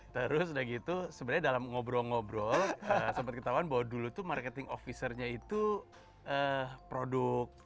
terus udah gitu sebenarnya dalam ngobrol ngobrol sempat ketahuan bahwa dulu tuh marketing officernya itu produk